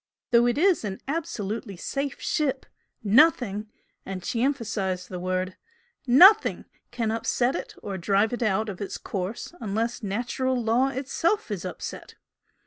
Though it is an absolutely safe ship, nothing" and she emphasised the word "NOTHING can upset it or drive it out of its course unless natural law is itself upset!